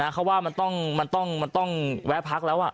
เขาว่ามันต้องมันต้องมันต้องแวะพักแล้วอ่ะ